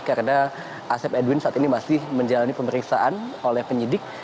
karena asep edwin saat ini masih menjalani pemeriksaan oleh penyidik